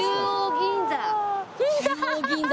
銀座！